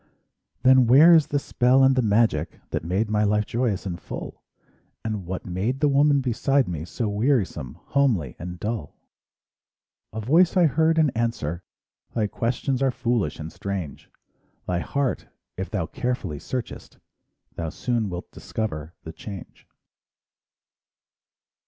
Then where is the spell and the magic That made my life joyous and full? And what made the woman beside me So wearisome, homely and dull? SONGS AND DREAMS A voice I heard in answer: Thy questions are foolish and strange; Thy heart, if thou carefully searchest, Thou soon wilt discover the change.